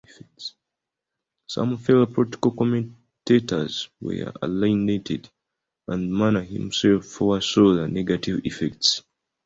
Some fellow political commentators were alienated, and Mann himself foresaw the negative effects.